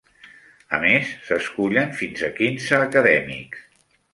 A més, s'escullen fins a quinze acadèmics.